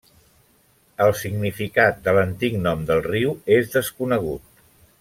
El significat de l'antic nom del riu és desconegut.